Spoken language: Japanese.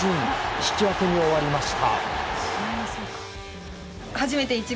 引き分けに終わりました。